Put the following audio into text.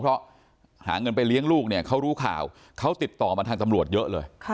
เพราะหาเงินไปเลี้ยงลูกเนี่ยเขารู้ข่าวเขาติดต่อมาทางตำรวจเยอะเลย